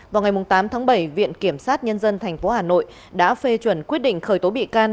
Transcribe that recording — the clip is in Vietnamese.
vào ngày tám tháng bảy viện kiểm sát nhân dân tp hà nội đã phê chuẩn quyết định khởi tố bị can